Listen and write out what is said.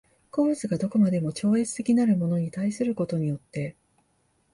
個物が何処までも超越的なるものに対することによって